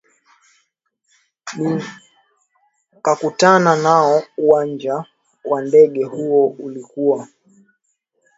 nikakutana nao uwanja wa ndege huo ulikuwa